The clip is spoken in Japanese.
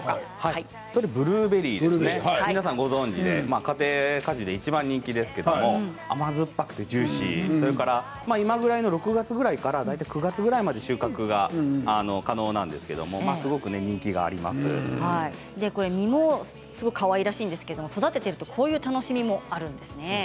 ブルーベリー皆さんご存じで家庭果樹で、いちばん人気ですけれども甘酸っぱくてジューシーですから今ぐらいの６月ぐらいから大体９月ぐらいまで収穫が可能なんですけれども実もすごくかわいらしいんですけど育ててるとこういう楽しみもあります。